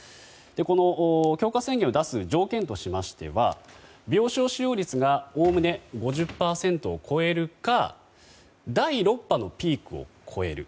この強化宣言を出す条件としましては病床使用率が概ね５０％を超えるか第６波のピークを超える。